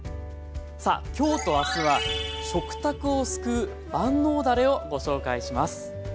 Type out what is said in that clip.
さあ今日と明日は食卓を救う万能だれをご紹介します。